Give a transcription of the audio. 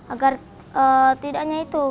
agar tidak hanya itu